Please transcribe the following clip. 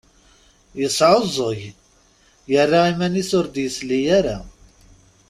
Yesεuẓẓeg, yerra iman-is ur d-yesli ara.